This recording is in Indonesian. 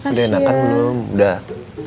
udah enakan belum udah